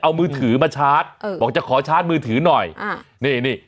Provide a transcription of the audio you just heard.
เอามือถือมาชาร์จเออบอกจะขอชาร์จมือถือหน่อยอ่านี่นี่